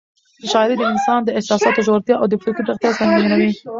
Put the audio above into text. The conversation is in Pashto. شاعري د انسان د احساساتو ژورتیا او د فکر پراختیا تضمینوي.